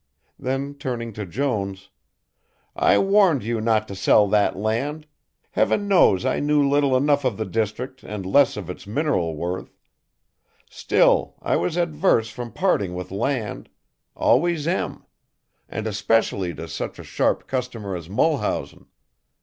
Then turning to Jones: "I warned you not to sell that land Heaven knows I knew little enough of the district and less of its mineral worth; still, I was adverse from parting with land always am and especially to such a sharp customer as Mulhausen.